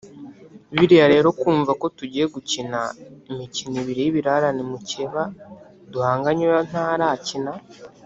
Biriya rero kumva ko tugiye gukina imikino ibiri y’ibirarane mukeba duhanganye we ntarakina